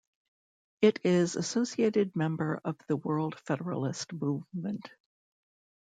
It is associated member of the World Federalist Movement.